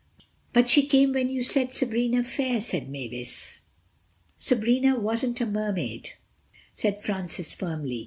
"But she came when you said 'Sabrina fair,'" said Mavis. "Sabrina wasn't a Mermaid," said Francis firmly.